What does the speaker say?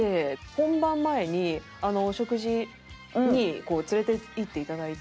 本番前にお食事に連れていっていただいて。